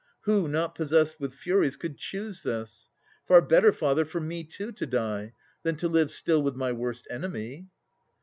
Who, not possessed with furies, could choose this? Far better, father, for me too to die, Than to live still with my worst enemy.